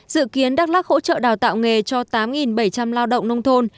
dự kiến đắk lắc hỗ trợ đào tạo nghề cho tám bảy trăm linh lao động nông thôn